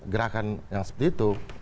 gerakan yang seperti itu